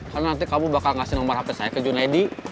karena nanti kamu bakal ngasih nomor hp saya ke junaedi